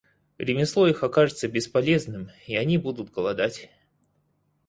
Ремесло их окажется бесполезным, и они будут голодать.